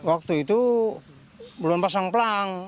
waktu itu belum pasang pelang